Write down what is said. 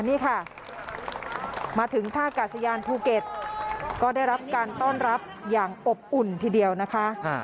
นี่ค่ะมาถึงท่ากาศยานภูเก็ตก็ได้รับการต้อนรับอย่างอบอุ่นทีเดียวนะคะ